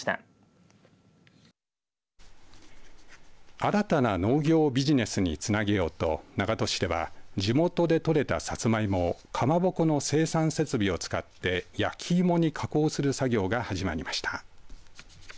新たな農業ビジネスにつなげようと長門市では地元でとれたさつまいもをかまぼこの生産設備を使って焼き芋に加工する作業が始まりました。